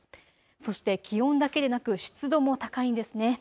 そして気温だけでなく湿度も高いんですね。